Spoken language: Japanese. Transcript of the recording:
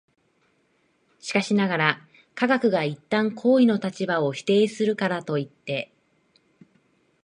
しかしながら、科学が一旦行為の立場を否定するからといって、